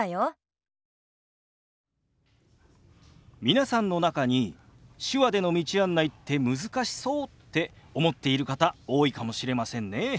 皆さんの中に手話での道案内って難しそうって思っている方多いかもしれませんね。